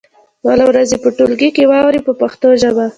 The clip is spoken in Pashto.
بله ورځ یې په ټولګي کې واورئ په پښتو ژبه.